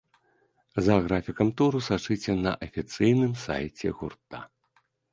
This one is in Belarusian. За графікам туру сачыце на афіцыйным сайце гурта.